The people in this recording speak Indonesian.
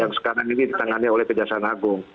yang sekarang ini ditangani oleh kejaksaan agung